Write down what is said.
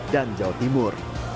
dan jawa timur